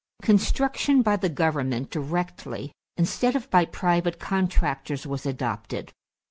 Construction by the government directly instead of by private contractors was adopted.